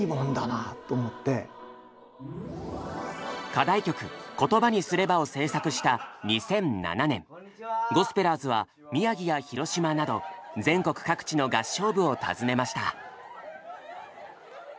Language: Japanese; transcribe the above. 課題曲「言葉にすれば」を制作した２００７年ゴスペラーズは宮城や広島など全国各地の合唱部を訪ねました。